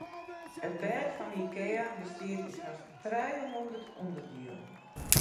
It bêd fan Ikea bestiet út hast trijehûndert ûnderdielen.